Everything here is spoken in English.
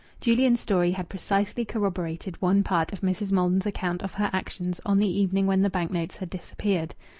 Julian's story had precisely corroborated one part of Mrs. Maldon's account of her actions on the evening when the bank notes had disappeared.